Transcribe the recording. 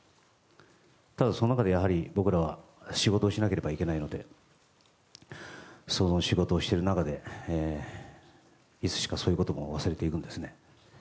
ただ、その中でやはり僕らは仕事をしなければいけないのでその仕事をしている中でいつしか、そういうことも忘れていくんですね。